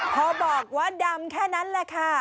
พอบอกว่าดำแค่นั้นแหละค่ะ